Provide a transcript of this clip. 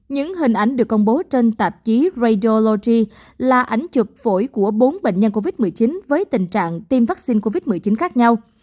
những hình ảnh được công bố trên tạp chí rajology là ảnh chụp phổi của bốn bệnh nhân covid một mươi chín với tình trạng tiêm vaccine covid một mươi chín khác nhau